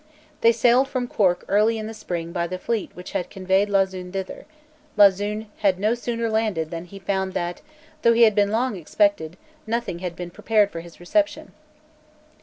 They sailed from Cork early in the spring by the fleet which had conveyed Lauzun thither, Lauzun had no sooner landed than he found that, though he had been long expected, nothing had been prepared for his reception.